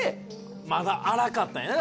まだ粗かったんやね